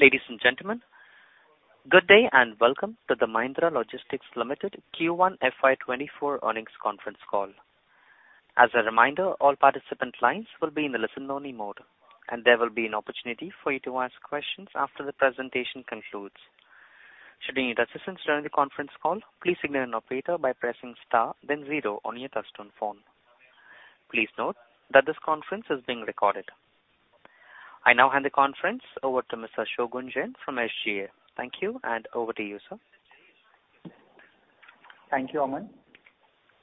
Ladies and gentlemen, good day, welcome to the Mahindra Logistics Limited Q1 FY 2024 earnings conference call. As a reminder, all participant lines will be in the listen-only mode, and there will be an opportunity for you to ask questions after the presentation concludes. Should you need assistance during the conference call, please signal an operator by pressing star then zero on your touchtone phone. Please note that this conference is being recorded. I now hand the conference over to Mr. Shogun Jain from SGA. Thank you, over to you, sir. Thank you, Aman.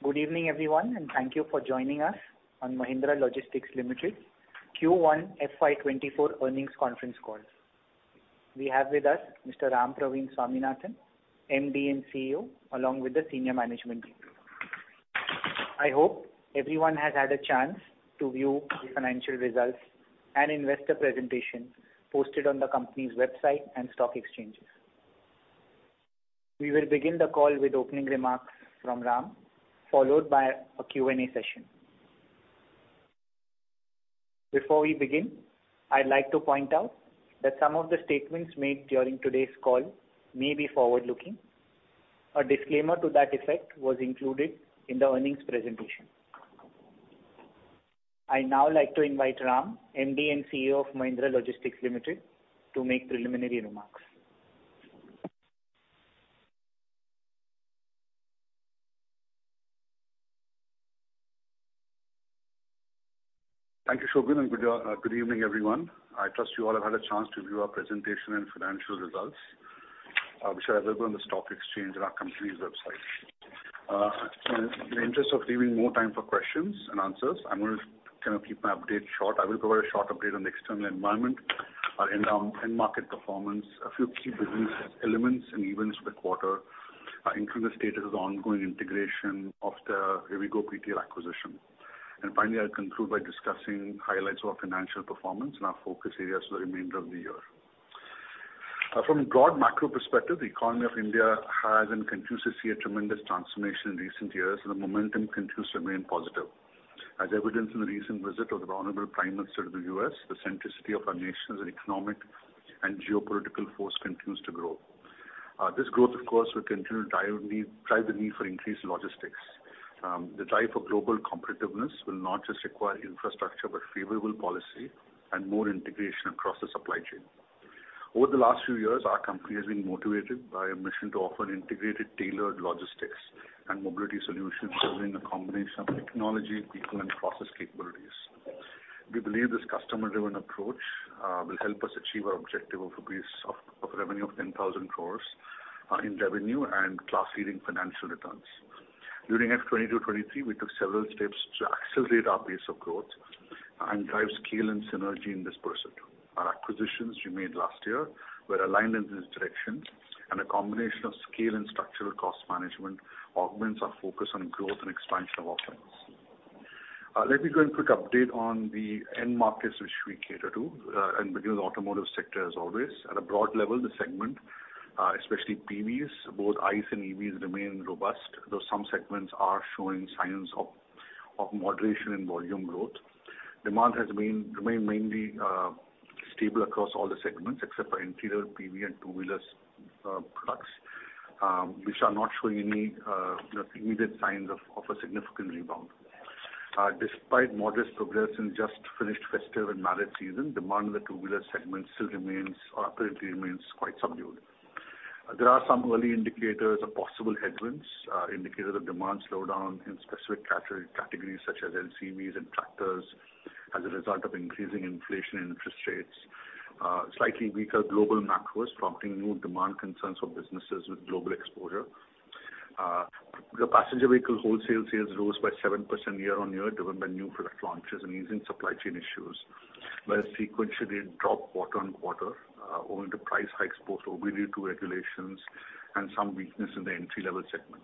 Good evening, everyone, and thank you for joining us on Mahindra Logistics Limited Q1 FY 2024 earnings conference call. We have with us Mr. Rampraveen Swaminathan, MD and CEO, along with the senior management team. I hope everyone has had a chance to view the financial results and investor presentation posted on the company's website and stock exchanges. We will begin the call with opening remarks from Ram, followed by a Q&A session. Before we begin, I'd like to point out that some of the statements made during today's call may be forward-looking. A disclaimer to that effect was included in the earnings presentation. I'd now like to invite Ram, MD and CEO of Mahindra Logistics Limited, to make preliminary remarks. Thank you, Shogun, and good evening, everyone. I trust you all have had a chance to view our presentation and financial results, which are available on the stock exchange and our company's website. In the interest of leaving more time for questions and answers, I'm gonna kind of keep my update short. I will provide a short update on the external environment, our end-market performance, a few key business elements and events for the quarter, including the status of the ongoing integration of the Rivigo PTL acquisition. Finally, I'll conclude by discussing highlights of our financial performance and our focus areas for the remainder of the year. From a broad macro perspective, the economy of India has and continues to see a tremendous transformation in recent years, and the momentum continues to remain positive. As evidenced in the recent visit of the Honorable Prime Minister to the U.S., the centricity of our nation as an economic and geopolitical force continues to grow. This growth, of course, will continue to drive the need for increased logistics. The drive for global competitiveness will not just require infrastructure, but favorable policy and more integration across the supply chain. Over the last few years, our company has been motivated by a mission to offer integrated, tailored logistics and mobility solutions using a combination of technology, people, and process capabilities. We believe this customer-driven approach will help us achieve our objective of a base of revenue of 10,000 crore, in revenue and class-leading financial returns. During FY 2022-23, we took several steps to accelerate our pace of growth and drive scale and synergy in this pursuit. Our acquisitions we made last year were aligned in this direction, a combination of scale and structural cost management augments our focus on growth and expansion of offerings. Let me give a quick update on the end markets which we cater to, begin with the automotive sector as always. At a broad level, the segment, especially PVs, both ICE and EVs, remain robust, though some segments are showing signs of moderation in volume growth. Demand remained mainly stable across all the segments, except for interior PV and two-wheeler products, which are not showing any immediate signs of a significant rebound. Despite modest progress in just finished festive and married season, demand in the two-wheeler segment still remains, or apparently remains, quite subdued. There are some early indicators of possible headwinds, indicators of demand slowdown in specific categories such as LCVs and tractors as a result of increasing inflation and interest rates. Slightly weaker global macros prompting new demand concerns for businesses with global exposure. The passenger vehicle wholesale sales rose by 7% year-over-year, driven by new product launches and easing supply chain issues, but sequentially dropped quarter-over-quarter, owing to price hikes post-OBD II regulations and some weakness in the entry-level segment.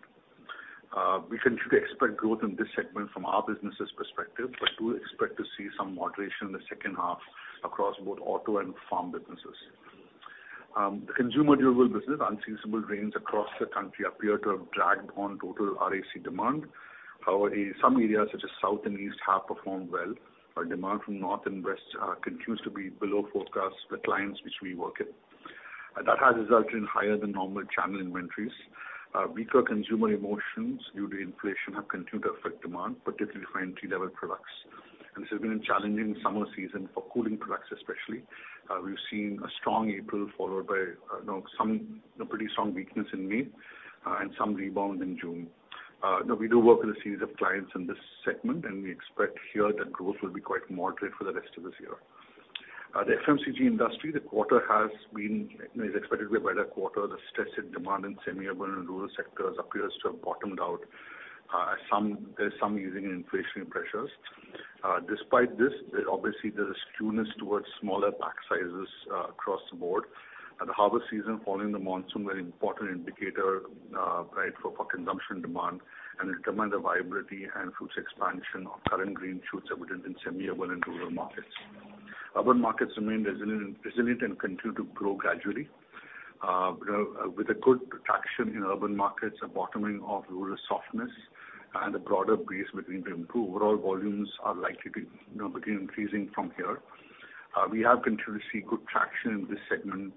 We continue to expect growth in this segment from our business's perspective, but do expect to see some moderation in the second half across both auto and farm businesses. The consumer durables business, unseasonable rains across the country appear to have dragged on total RAC demand. However, some areas, such as south and east, have performed well, while demand from north and west continues to be below forecasts for the clients which we work with. That has resulted in higher than normal channel inventories. Weaker consumer emotions due to inflation have continued to affect demand, particularly for entry-level products. This has been a challenging summer season for cooling products especially. We've seen a strong April, followed by some pretty strong weakness in May, and some rebound in June. Now we do work with a series of clients in this segment, and we expect here that growth will be quite moderate for the rest of this year. The FMCG industry, the quarter is expected to be a better quarter. The stretched demand in semi-urban and rural sectors appears to have bottomed out. There's some easing in inflationary pressures. Despite this, there's a skewness towards smaller pack sizes across the board. The harvest season following the monsoon were an important indicator for consumption demand and it will determine the viability and future expansion of current green shoots evident in semi-urban and rural markets. Urban markets remain resilient and continue to grow gradually with a good traction in urban markets, a bottoming of rural softness, and a broader base between the improved overall volumes are likely to, you know, begin increasing from here. We have continued to see good traction in this segment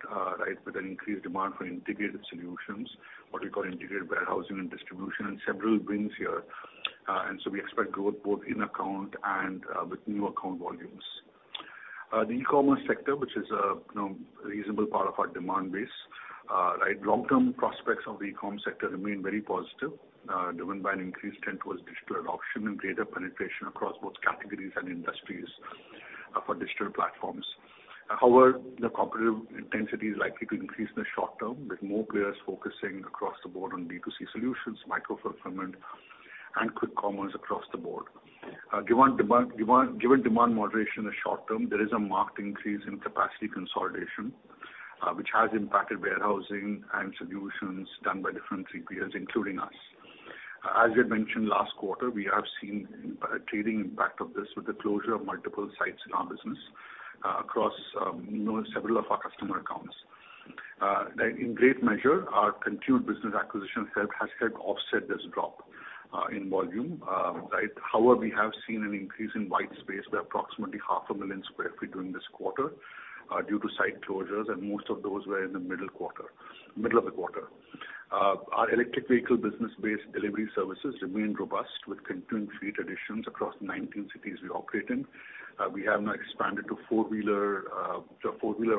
with an increased demand for integrated solutions, what we call integrated warehousing and distribution, and several wins here. We expect growth both in account and with new account volumes. The e-commerce sector, which is a, you know, reasonable part of our demand base, right, long-term prospects of the e-com sector remain very positive, driven by an increased trend towards digital adoption and greater penetration across both categories and industries, for digital platforms. The competitive intensity is likely to increase in the short term, with more players focusing across the board on B2C solutions, micro fulfillment, and quick commerce across the board. Given demand moderation in the short term, there is a marked increase in capacity consolidation, which has impacted warehousing and solutions done by different 3PLs, including us. We had mentioned last quarter, we have seen a trading impact of this with the closure of multiple sites in our business, across, you know, several of our customer accounts. In great measure, our continued business acquisition has helped offset this drop in volume. However, we have seen an increase in white space by approximately half a million sq ft during this quarter due to site closures, and most of those were in the middle of the quarter. Our electric vehicle business-based delivery services remain robust, with continuing fleet additions across 19 cities we operate in. We have now expanded to four-wheeler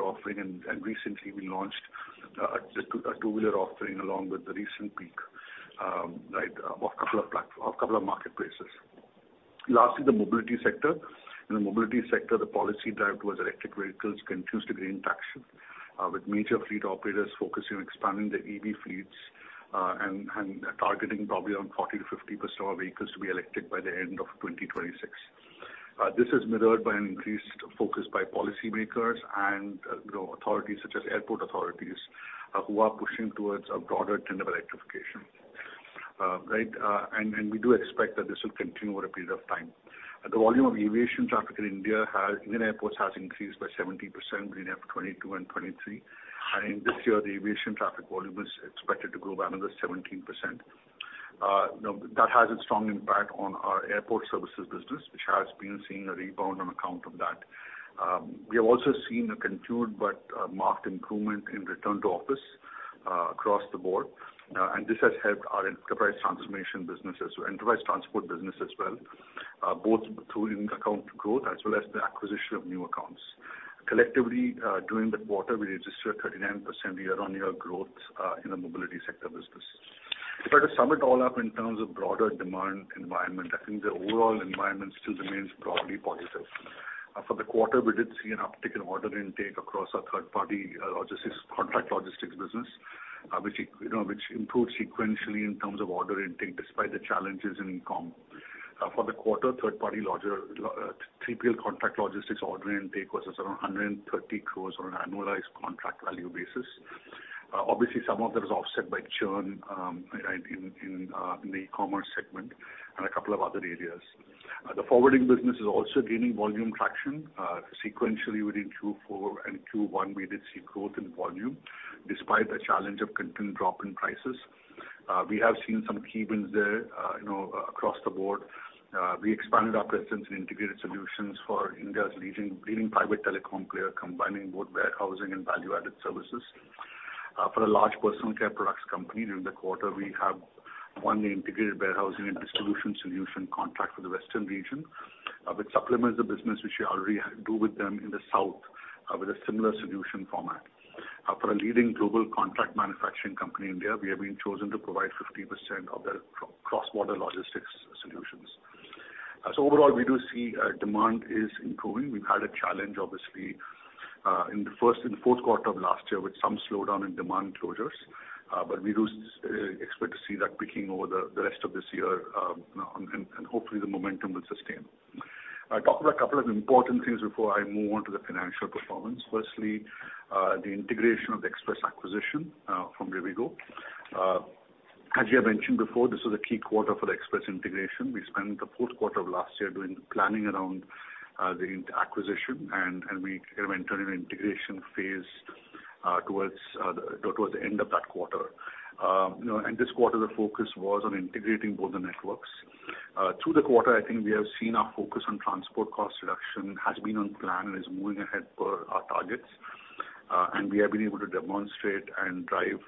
offering, and recently we launched a two-wheeler offering along with the recent peak of a couple of marketplaces. Lastly, the mobility sector. In the mobility sector, the policy drive towards electric vehicles continues to gain traction with major fleet operators focusing on expanding their EV fleets and targeting probably around 40%-50% of vehicles to be electric by the end of 2026. This is mirrored by an increased focus by policymakers and, you know, authorities such as airport authorities, who are pushing towards a broader trend of electrification. Right, we do expect that this will continue over a period of time. The volume of aviation traffic in India has, in airports, has increased by 70% between F22 and 2023, and this year, the aviation traffic volume is expected to grow by another 17%. Now, that has a strong impact on our airport services business, which has been seeing a rebound on account of that. We have also seen a continued but marked improvement in return to office across the board, and this has helped our enterprise transformation business as well, enterprise transport business as well, both through in-account growth as well as the acquisition of new accounts. Collectively, during the quarter, we registered a 39% year-on-year growth in the mobility sector business. If I had to sum it all up in terms of broader demand environment, I think the overall environment still remains broadly positive. For the quarter, we did see an uptick in order intake across our third-party logistics, contract logistics business, which, you know, which improved sequentially in terms of order intake, despite the challenges in e-com. For the quarter, third-party larger 3PL contract logistics order intake was around 130 crores on an annualized contract value basis. Obviously, some of that is offset by churn, in, in the e-commerce segment and a couple of other areas. The forwarding business is also gaining volume traction. Sequentially within Q4 and Q1, we did see growth in volume, despite the challenge of continued drop in prices. We have seen some key wins there, you know, across the board. We expanded our presence in integrated solutions for India's leading private telecom player, combining both warehousing and value-added services. For a large personal care products company during the quarter, we have won the integrated warehousing and distribution solution contract for the western region, which supplements the business which we already do with them in the south, with a similar solution format. For a leading global contract manufacturing company in India, we have been chosen to provide 50% of their cross-border logistics solutions. Overall, we do see demand is improving. We've had a challenge, obviously, in the first and fourth quarter of last year with some slowdown in demand closures, but we do expect to see that picking over the rest of this year, and hopefully the momentum will sustain. I'll talk about a couple of important things before I move on to the financial performance. Firstly, the integration of the Express acquisition from Rivigo. As I mentioned before, this was a key quarter for the Express integration. We spent the fourth quarter of last year doing planning around the acquisition, and we entered an integration phase towards the end of that quarter. You know, this quarter, the focus was on integrating both the networks. Through the quarter, I think we have seen our focus on transport cost reduction has been on plan and is moving ahead per our targets, and we have been able to demonstrate and drive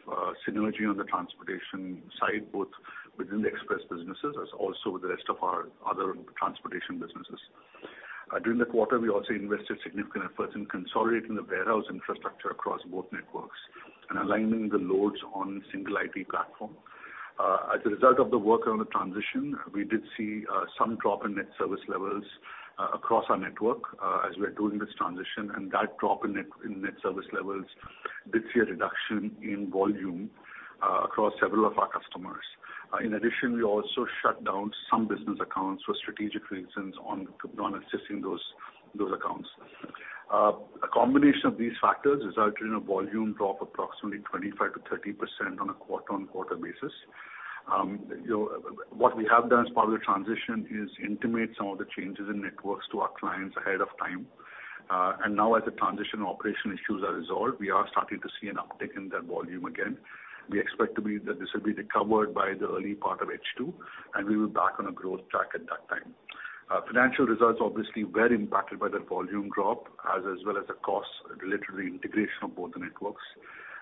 synergy on the transportation side, both within the Express businesses as also with the rest of our other transportation businesses. During the quarter, we also invested significant efforts in consolidating the warehouse infrastructure across both networks and aligning the loads on single IT platform. As a result of the work around the transition, we did see some drop in net service levels across our network, as we're doing this transition, and that drop in net service levels did see a reduction in volume across several of our customers. In addition, we also shut down some business accounts for strategic reasons on assessing those accounts. A combination of these factors resulted in a volume drop of approximately 25% to 30%. You know, what we have done as part of the transition is intimate some of the changes in networks to our clients ahead of time. Now as the transition operational issues are resolved, we are starting to see an uptick in that volume again. We expect that this will be recovered by the early part of H2, and we will be back on a growth track at that time. Financial results obviously were impacted by that volume drop, as well as the costs related to the integration of both the networks.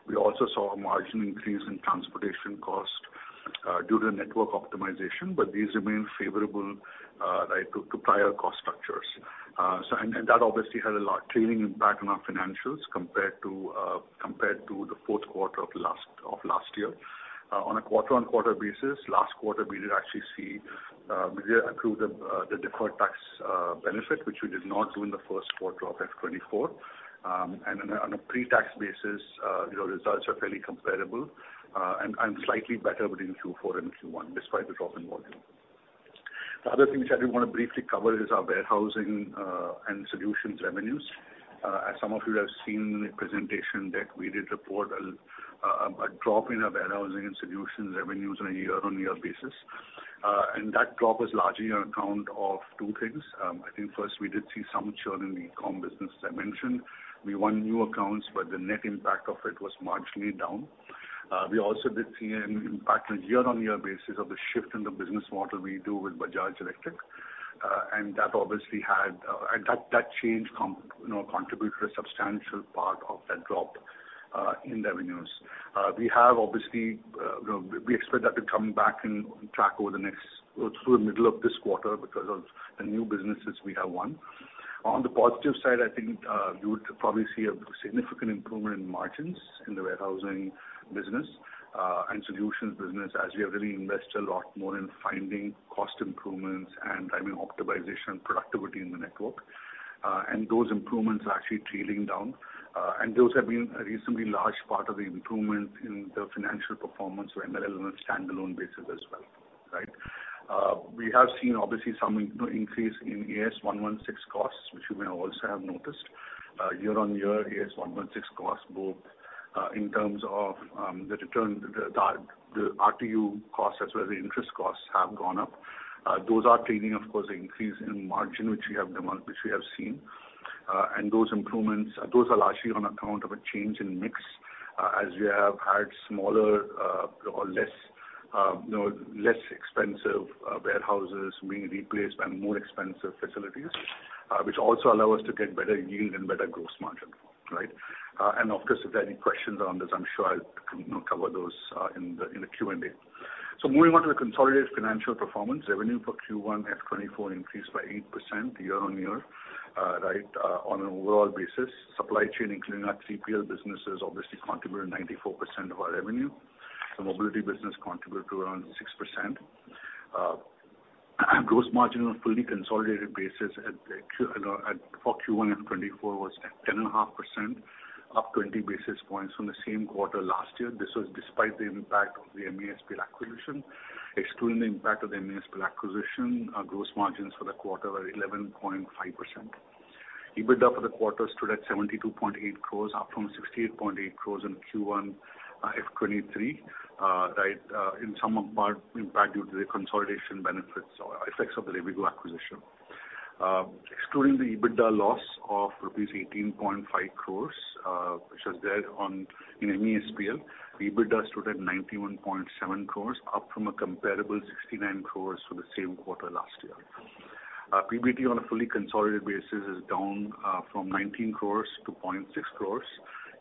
We also saw a marginal increase in transportation cost due to the network optimization, but these remain favorable, right, to prior cost structures. That obviously had a large trailing impact on our financials compared to the fourth quarter of last year. On a quarter-on-quarter basis, last quarter, we did actually see, we accrued the deferred tax benefit, which we did not do in the first quarter of FY 2024. On a pre-tax basis, you know, results are fairly comparable, and slightly better between Q4 and Q1, despite the drop in volume. The other things I do want to briefly cover is our warehousing and solutions revenues. As some of you have seen in the presentation that we did report a drop in our warehousing and solutions revenues on a year-on-year basis. That drop was largely on account of two things. I think first, we did see some churn in the e-com business, as I mentioned. We won new accounts, but the net impact of it was marginally down. We also did see an impact on a year-on-year basis of the shift in the business model we do with Bajaj Electric. That change, you know, contributed a substantial part of that drop in revenues. We have obviously, you know, we expect that to come back on track over the next through the middle of this quarter because of the new businesses we have won. On the positive side, I think you would probably see a significant improvement in margins in the warehousing business and solutions business, as we have really invested a lot more in finding cost improvements and driving optimization and productivity in the network. Those improvements are actually trailing down, and those have been a reasonably large part of the improvement in the financial performance of MLL on a standalone basis as well, right? We have seen obviously some, you know, increase in AS 116 costs, which you may also have noticed. Year-on-year, AS 116 costs, both in terms of the return, the RTO costs, as well as the interest costs have gone up. Those are trailing, of course, the increase in margin, which we have seen. Those improvements, those are largely on account of a change in mix, as we have had smaller, or less, you know, less expensive, warehouses being replaced by more expensive facilities, which also allow us to get better yield and better gross margin, right? Of course, if there are any questions on this, I'm sure I'll, you know, cover those in the Q&A. Moving on to the consolidated financial performance. Revenue for Q1 F '24 increased by 8% year-on-year, right, on an overall basis. Supply chain, including our 3PL businesses, obviously contributed 94% of our revenue. The mobility business contributed to around 6%. Gross margin on a fully consolidated basis for FY 2024 was at 10.5%, up 20 basis points from the same quarter last year. This was despite the impact of the MESPL acquisition. Excluding the impact of the MESPL acquisition, our gross margins for the quarter were 11.5%. EBITDA for the quarter stood at 72.8 crores, up from 68.8 crores in FY 2023, in some part impact due to the consolidation benefits or effects of the Rivigo acquisition. Excluding the EBITDA loss of rupees 18.5 crores, which was there in MESPL, the EBITDA stood at 91.7 crores, up from a comparable 69 crores for the same quarter last year. PBT on a fully consolidated basis is down from 19 crores to 0.6 crores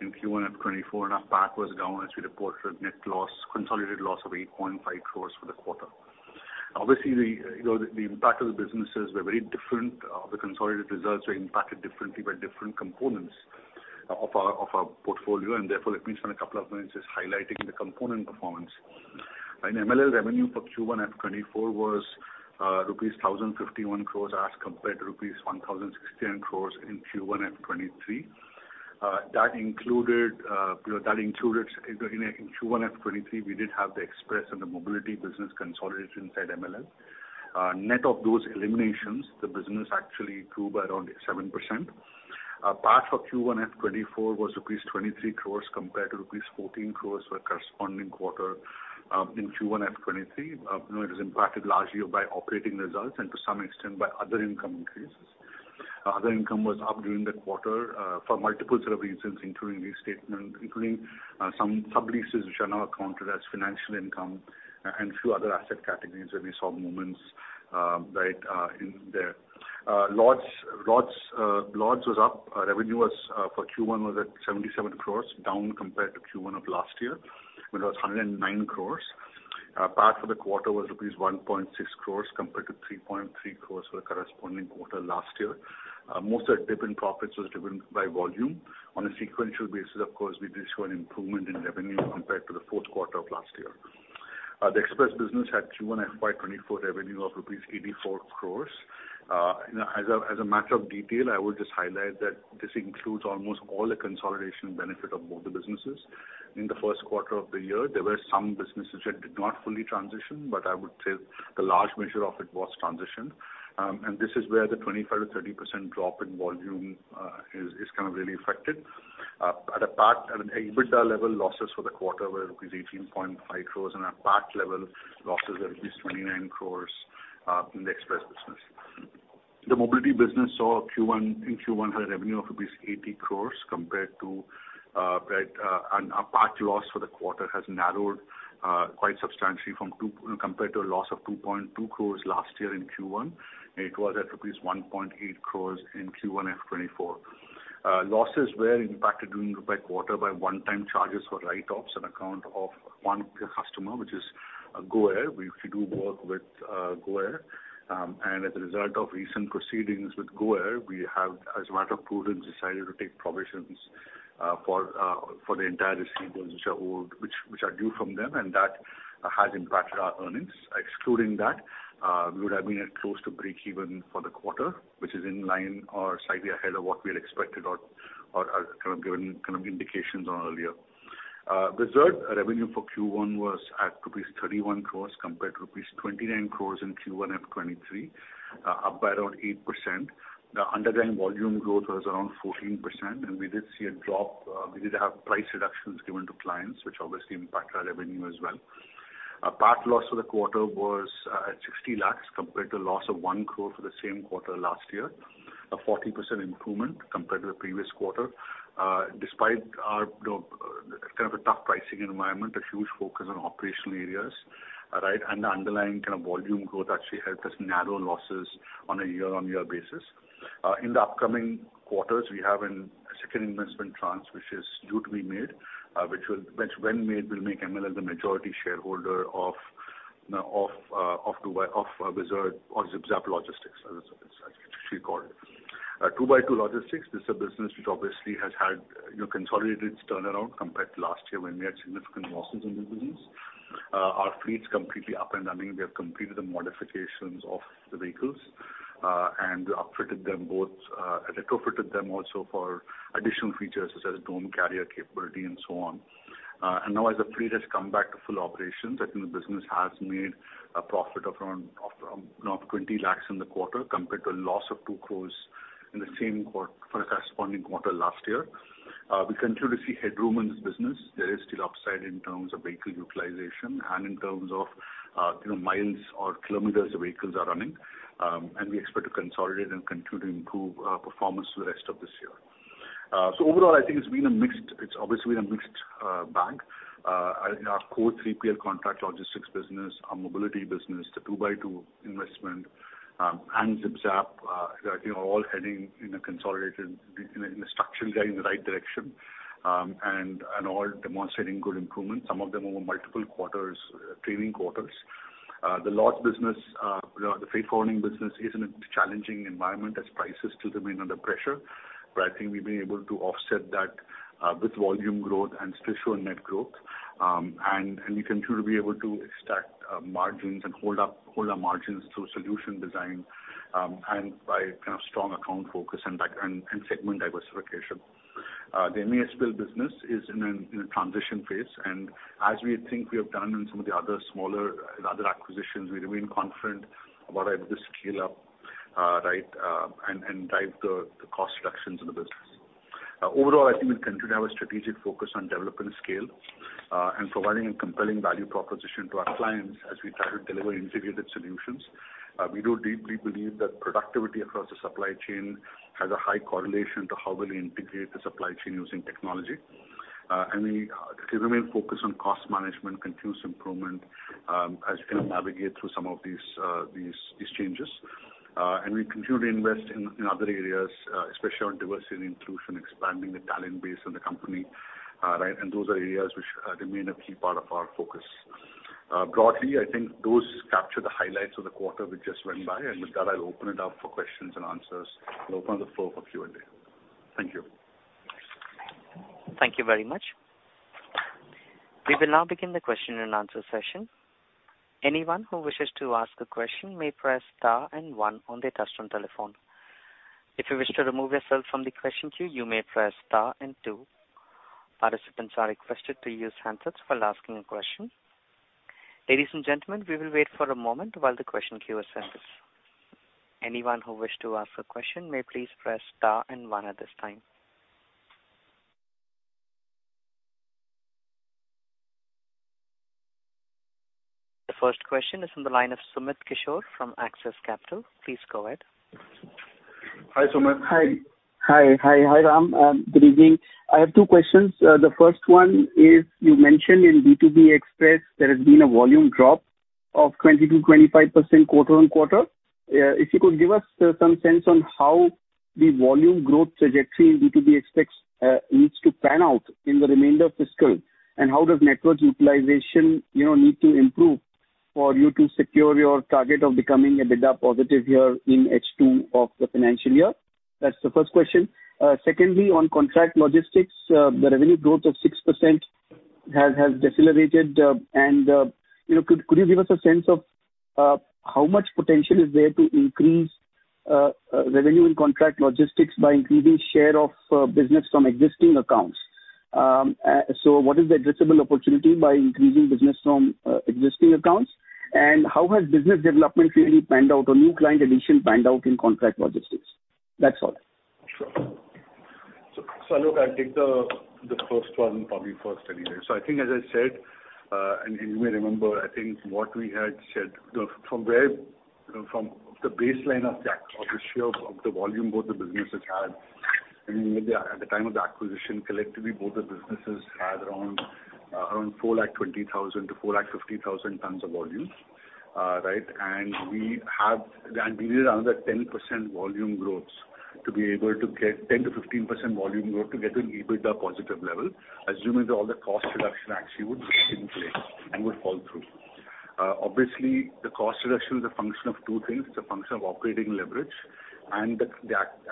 in Q1 FY 2024. Our PAT was down, as we reported, net loss, consolidated loss of 8.5 crores for the quarter. The, you know, the impact of the businesses were very different. The consolidated results were impacted differently by different components of our, of our portfolio. Therefore, let me spend a couple of minutes just highlighting the component performance. In MLL, revenue for Q1 FY 2024 was rupees 1,051 crores, as compared to rupees 1,068 crores in Q1 FY 2023. That included, you know, that included, in Q1 FY 2023, we did have the Express and the mobility business consolidation inside MLL. Net of those eliminations, the business actually grew by around 7%. PAT for Q1 F '24 was rupees 23 crores, compared to rupees 14 crores for corresponding quarter in Q1 FY23. You know, it was impacted largely by operating results and to some extent by other income increases. Other income was up during the quarter for multiple set of reasons, including restatement, including some subleases which are now accounted as financial income, and few other asset categories where we saw movements right in there. Lords was up. Revenue for Q1 was at 77 crores, down compared to Q1 of last year, when it was 109 crores. PAT for the quarter was rupees 1.6 crores, compared to 3.3 crores for the corresponding quarter last year. Most of the dip in profits was driven by volume. On a sequential basis, of course, we did show an improvement in revenue compared to the fourth quarter of last year. The Express business had Q1 FY 2024 revenue of rupees 84 crores. You know, as a matter of detail, I would just highlight that this includes almost all the consolidation benefit of both the businesses. In the first quarter of the year, there were some businesses which did not fully transition, but I would say the large measure of it was transitioned. This is where the 25%-30% drop in volume is kind of really affected. At an EBITDA level, losses for the quarter were rupees 18.5 crores, and at PAT level, losses are rupees 29 crores in the express business. The mobility business saw Q1, in Q1 had a revenue of rupees 80 crores compared to that, and a PAT loss for the quarter has narrowed quite substantially compared to a loss of 2.2 crores last year in Q1. It was at rupees 1.8 crores in Q1 FY 2024. Losses were impacted during the quarter by one-time charges for write-offs on account of one customer, which is GoAir. We actually do work with GoAir, and as a result of recent proceedings with GoAir, we have, as a matter of prudence, decided to take provisions for the entire receivables, which are owed, which are due from them, and that has impacted our earnings. Excluding that, we would have been at close to breakeven for the quarter, which is in line or slightly ahead of what we had expected or kind of given kind of indications on earlier. Whizzard revenue for Q1 was at rupees 31 crores compared to rupees 29 crores in Q1 FY 2023, up by around 8%. The underlying volume growth was around 14%, and we did see a drop, we did have price reductions given to clients, which obviously impacted our revenue as well. Our part loss for the quarter was at 60 lakhs, compared to a loss of 1 crore for the same quarter last year, a 40% improvement compared to the previous quarter. Despite our, you know, kind of a tough pricing environment, a huge focus on operational areas, right, and the underlying kind of volume growth actually helped us narrow losses on a year-on-year basis. In the upcoming quarters, we have a second investment tranche, which is due to be made, which will, which when made, will make MLL the majority shareholder of, you know, of Whizzard or ZipZap Logistics, as it's actually called. 2x2 Logistics, this is a business which obviously has had, you know, consolidated its turnaround compared to last year, when we had significant losses in the business. Our fleet's completely up and running. We have completed the modifications of the vehicles, and upfitted them both, retrofitted them also for additional features, such as dome carrier capability and so on. Now as the fleet has come back to full operations, I think the business has made a profit of around 20 lakhs in the quarter, compared to a loss of 2 crores for the corresponding quarter last year. We continue to see headroom in this business. There is still upside in terms of vehicle utilization and in terms of, you know, miles or kilometers the vehicles are running, and we expect to consolidate and continue to improve performance through the rest of this year. Overall, it's obviously been a mixed bag. Our core 3PL contract logistics business, our mobility business, the 2x2 Logistics investment, and ZipZap Logistics, that, you know, all heading in a consolidated, in a, in a structural guide in the right direction, and all demonstrating good improvement, some of them over multiple quarters, trailing quarters. The loss business, the freight forwarding business is in a challenging environment as prices still remain under pressure. I think we've been able to offset that with volume growth and special net growth. We continue to be able to extract margins and hold our margins through solution design, and by kind of strong account focus and segment diversification. The MESPL business is in a transition phase, and as we think we have done in some of the other smaller acquisitions, we remain confident about how to scale up, right, and drive the cost reductions in the business. Overall, I think we'll continue to have a strategic focus on developing scale, and providing a compelling value proposition to our clients as we try to deliver integrated solutions. We do deeply believe that productivity across the supply chain has a high correlation to how well you integrate the supply chain using technology. We remain focused on cost management, continuous improvement, as we kind of navigate through some of these changes. We continue to invest in other areas, especially on diversity and inclusion, expanding the talent base in the company, right? Those are areas which remain a key part of our focus. Broadly, I think those capture the highlights of the quarter which just went by, with that, I'll open it up for questions and answers and open the floor for Q&A. Thank you. Thank you very much. We will now begin the question and answer session. Anyone who wishes to ask a question may press star and one on their touch-tone telephone. If you wish to remove yourself from the question queue, you may press star and two. Participants are requested to use handsets while asking a question. Ladies and gentlemen, we will wait for a moment while the question queue assesses. Anyone who wish to ask a question may please press star and one at this time. The first question is from the line of Sumit Kishore from Axis Capital. Please go ahead. Hi, Sumit. Hi, Ram. Good evening. I have two questions. The first one is, you mentioned in B2B Express, there has been a volume drop of 20%-25% quarter-on-quarter. If you could give us some sense on how the volume growth trajectory in B2B Express needs to pan out in the remainder of fiscal, and how does network utilization, you know, need to improve for you to secure your target of becoming EBITDA positive here in H2 of the financial year? That's the first question. Secondly, on contract logistics, the revenue growth of 6% has decelerated, you know, could you give us a sense of how much potential is there to increase revenue in contract logistics by increasing share of business from existing accounts?... What is the addressable opportunity by increasing business from existing accounts? How has business development really panned out, or new client addition panned out in contract logistics? That's all. Sure. Look, I'll take the first one probably first anyway. I think as I said, and you may remember, I think what we had said, from where, from the baseline of the share of the volume both the businesses had, I mean, at the time of the acquisition, collectively, both the businesses had around 420,000-450,000 tons of volume, right? We need another 10% volume growth to be able to get 10%-15% volume growth to get an EBITDA positive level, assuming that all the cost reduction actually would be in play and would fall through. Obviously, the cost reduction is a function of two things. It's a function of operating leverage and the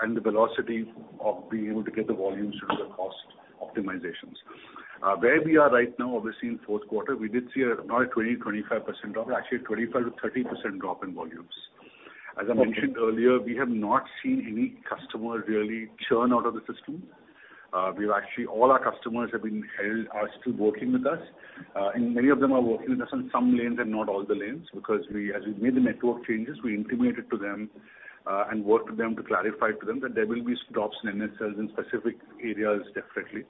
and the velocity of being able to get the volumes through the cost optimizations. Where we are right now, obviously, in fourth quarter, we did see a not a 25% drop, actually a 25%-30% drop in volumes. Okay. As I mentioned earlier, we have not seen any customer really churn out of the system. We've actually, all our customers have been held, are still working with us, and many of them are working with us on some lanes and not all the lanes, because as we made the network changes, we intimated to them, and worked with them to clarify to them that there will be drops in themselves in specific areas, definitely.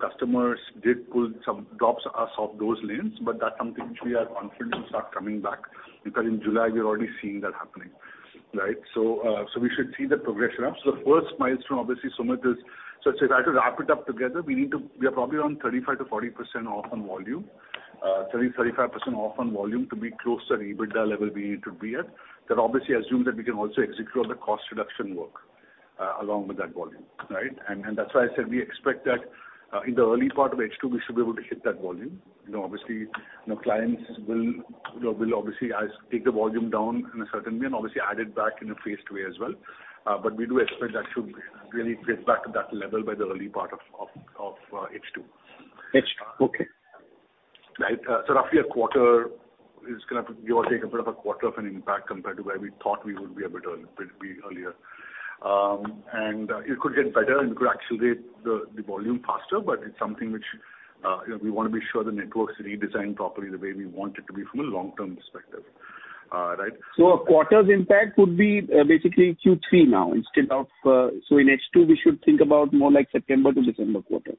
Customers did pull some, drops us off those lanes, but that's something which we are confident will start coming back, because in July, we are already seeing that happening, right? We should see the progression up. The first milestone, obviously, Sumit, is... To try to wrap it up together, we are probably around 35%-40% off on volume, 30%-35% off on volume to be closer to EBITDA level we need to be at. That obviously assumes that we can also execute on the cost reduction work along with that volume, right? That's why I said, we expect that in the early part of H2, we should be able to hit that volume. You know, obviously, clients will obviously take the volume down in a certain way, and obviously add it back in a phased way as well. We do expect that should really get back to that level by the early part of H2. Okay. Right. Roughly a quarter is gonna give or take a bit of a quarter of an impact compared to where we thought we would be a bit earlier. It could get better and could accelerate the volume faster, but it's something which, you know, we want to be sure the network's redesigned properly the way we want it to be from a long-term perspective, right? A quarter's impact would be, basically Q3 now instead of. In H2, we should think about more like September to December quarter?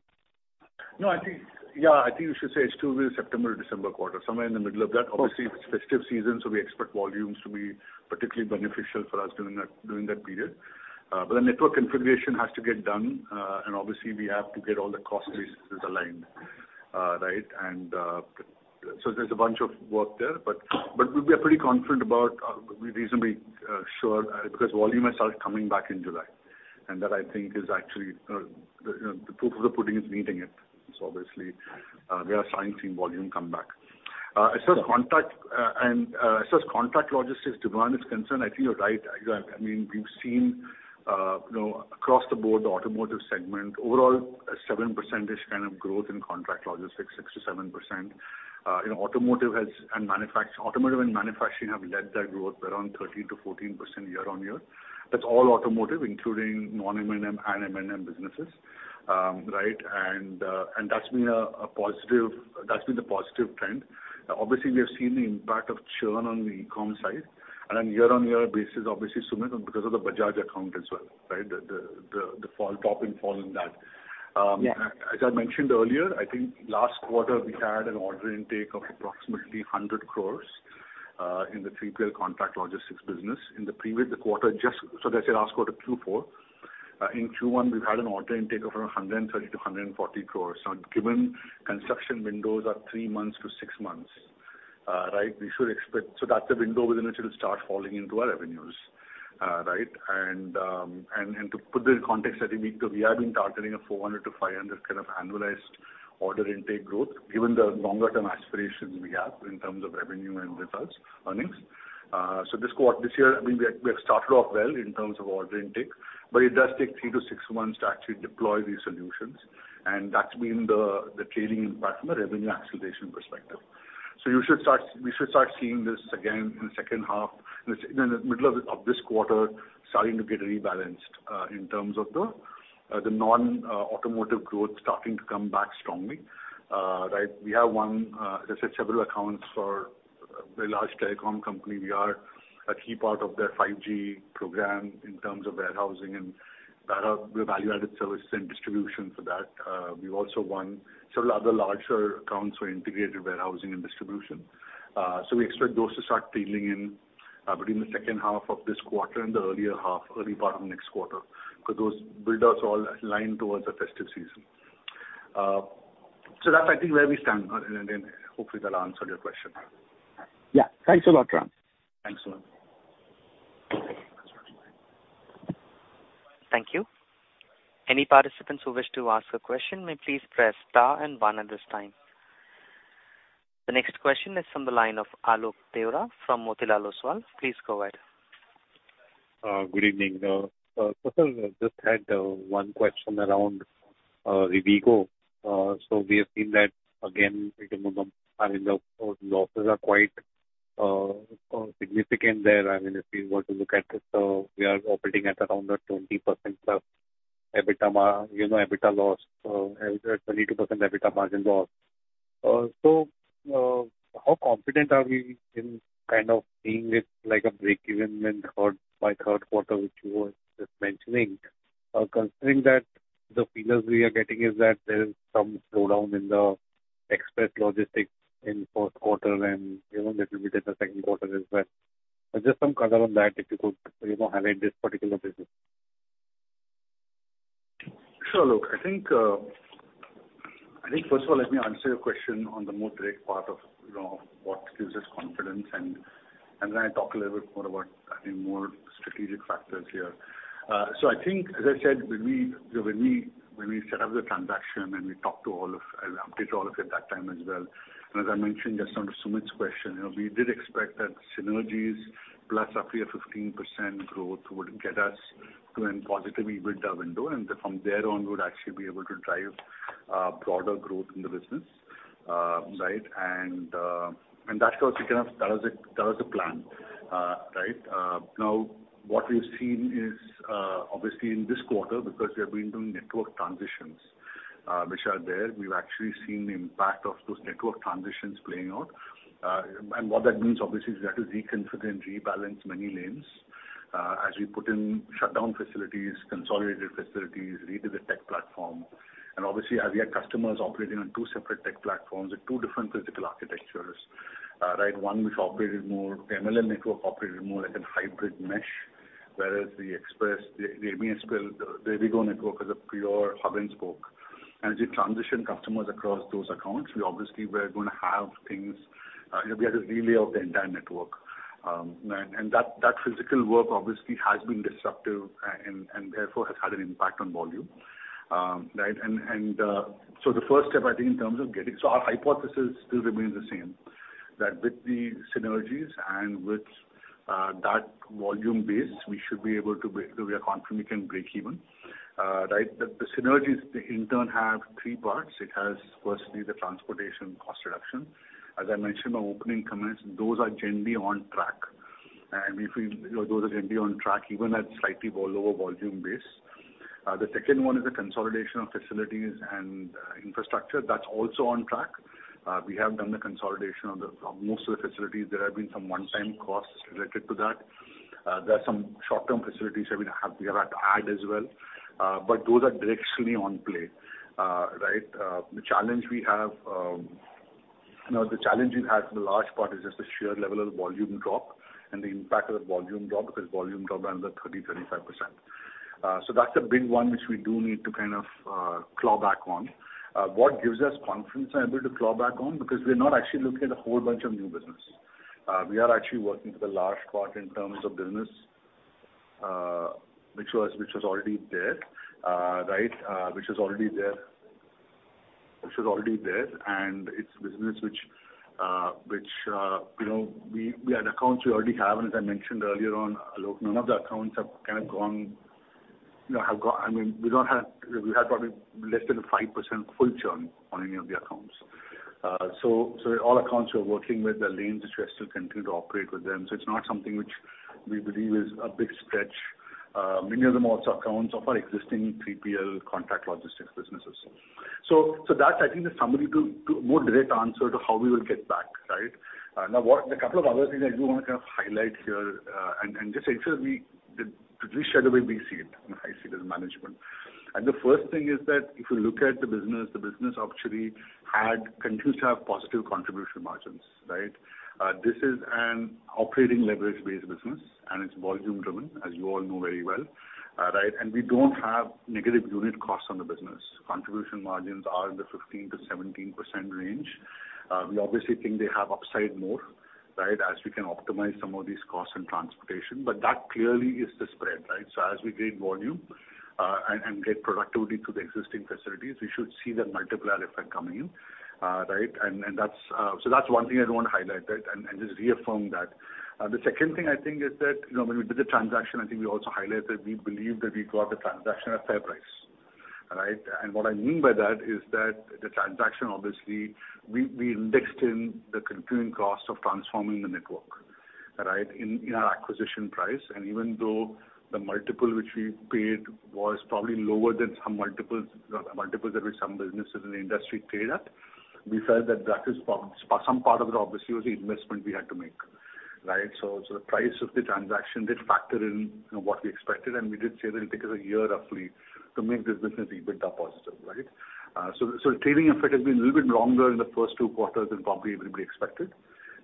No, I think, yeah, I think you should say H2 is September to December quarter, somewhere in the middle of that. Okay. Obviously, it's festive season, we expect volumes to be particularly beneficial for us during that period. The network configuration has to get done, and obviously, we have to get all the cost bases aligned, right? There's a bunch of work there, but we are pretty confident about, we're reasonably sure, because volume has started coming back in July. That, I think, is actually, you know, the proof of the pudding is eating it. Obviously, we are starting to see volume come back. As far as contract, and as far as contract logistics demand is concerned, I think you're right. I mean, we've seen, you know, across the board, the automotive segment, overall, a 7% kind of growth in contract logistics, 6%-7%. You know, automotive has, and automotive and manufacturing have led that growth around 13%-14% year-on-year. That's all automotive, including non-M&M and M&M businesses, right? That's been a positive, that's been the positive trend. Obviously, we have seen the impact of churn on the e-com side, on a year-on-year basis, obviously, Sumit, because of the Bajaj account as well, right? The fall, drop and fall in that. Yeah. As I mentioned earlier, I think last quarter, we had an order intake of approximately 100 crores in the 3PL contract logistics business. In the previous quarter, last quarter, Q4. In Q1, we've had an order intake of around 130-140 crores. Given construction windows are 3 months to 6 months, that's the window within which it'll start falling into our revenues. To put this in context, I think we have been targeting a 400-500 kind of annualized order intake growth, given the longer term aspirations we have in terms of revenue and results, earnings. This quarter, this year, I mean, we have started off well in terms of order intake, but it does take 3 to 6 months to actually deploy these solutions. That's been the trailing impact from a revenue acceleration perspective. We should start seeing this again in the second half, in the middle of this quarter, starting to get rebalanced, in terms of the non-automotive growth starting to come back strongly. Right. We have won, let's say, several accounts for a very large telecom company. We are a key part of their 5G program in terms of warehousing and data, the value-added services and distribution for that. We've also won several other larger accounts for integrated warehousing and distribution. We expect those to start trailing in, between the second half of this quarter and the earlier half, early part of next quarter, because those build-outs all align towards the festive season. That's, I think, where we stand, and then hopefully that'll answer your question. Yeah. Thanks a lot, Ram. Thanks, Sumit. Thank you. Any participants who wish to ask a question may please press star and one at this time. The next question is from the line of Alok Deora from Motilal Oswal. Please go ahead. Good evening. Sir, I just had one question around Rivigo. We have seen that again, you know, the in the the losses are quite significant there. I mean, if you were to look at it, we are operating at around 20% of EBITDA you know, EBITDA loss, at 22% EBITDA margin loss. How confident are we in kind of seeing it like a break-even in third, by third quarter, which you were just mentioning? Considering that the feelers we are getting is that there is some slowdown in the express logistics in fourth quarter, and, you know, little bit in the second quarter as well. Just some color on that, if you could, you know, highlight this particular business. k first of all, let me answer your question on the more direct part of, you know, what gives us confidence, and then I talk a little bit more about more strategic factors here. So I think, as I said, when we, when we, when we set up the transaction and we talked to all of, and updated all of you at that time as well, and as I mentioned, just on to Sumit Kishore's question, you know, we did expect that synergies plus roughly a 15% growth would get us to a positively EBITDA window, and from there on, we would actually be able to drive broader growth in the business, right? And that was kind of, that was the, that was the plan, right? Now, what we've seen is, obviously, in this quarter, because we have been doing network transitions, which are there, we've actually seen the impact of those network transitions playing out. What that means, obviously, is we have to reconfigure and rebalance many lanes, as we put in shutdown facilities, consolidated facilities, revisit tech platform, and obviously, as we had customers operating on two separate tech platforms with two different physical architectures, right? One which operated MLL network, operated more like a hybrid mesh, whereas the express, the RSPL, the Rivigo network is a pure hub-and-spoke. As you transition customers across those accounts, we obviously were gonna have things, we had to relay of the entire network. That physical work obviously has been disruptive and therefore, has had an impact on volume. Right, and, the first step, I think, in terms of getting. Our hypothesis still remains the same, that with the synergies and with that volume base, we should be able to we are confident we can break even, right? The synergies in turn, have three parts. It has, firstly, the transportation cost reduction. As I mentioned in my opening comments, those are generally on track, and those are generally on track, even at slightly lower volume base. The second one is the consolidation of facilities and infrastructure. That's also on track. We have done the consolidation of the most of the facilities. There have been some one-time costs related to that. There are some short-term facilities that we have, we are at add as well, but those are directly on play, right? The challenge we have, you know, the challenge we have for the large part is just the sheer level of volume drop, and the impact of the volume drop, because volume dropped around the 30%-35%. That's a big one, which we do need to kind of claw back on. What gives us confidence and able to claw back on, because we're not actually looking at a whole bunch of new business. We are actually working with the large part in terms of business, which was already there, right? Which was already there, and it's business which, you know, we had accounts we already have, and as I mentioned earlier on, Alok, none of the accounts have kind of gone, you know, have gone... I mean, we have probably less than a 5% full churn on any of the accounts. All accounts we are working with, the lanes, we still continue to operate with them. It's not something which we believe is a big stretch. Many of them are also accounts of our existing 3PL contract logistics businesses. That, I think, is somebody to a more direct answer to how we will get back, right? Now, a couple of other things I do want to kind of highlight here, and just ensure we to share the way we see it, and I see it as management. The first thing is that if you look at the business, the business actually had continued to have positive contribution margins, right? This is an operating leverage-based business, and it's volume driven, as you all know very well, right? We don't have negative unit costs on the business. Contribution margins are in the 15%-17% range. We obviously think they have upside more, right? As we can optimize some of these costs in transportation, but that clearly is the spread, right? As we gain volume, and get productivity to the existing facilities, we should see that multiplier effect coming in, right? That's one thing I don't want to highlight that, and just reaffirm that. The second thing I think is that, you know, when we did the transaction, I think we also highlighted, we believe that we got the transaction at fair price, right? What I mean by that is that the transaction, obviously, we indexed in the continuing cost of transforming the network, right? In our acquisition price, and even though the multiple which we paid was probably lower than some multiples that which some businesses in the industry trade at, we felt that that is some part of it obviously, was the investment we had to make, right? The price of the transaction did factor in, you know, what we expected, and we did say that it took us a year, roughly, to make this business EBITDA positive, right? So the trading effect has been a little bit longer in the first two quarters than probably everybody expected,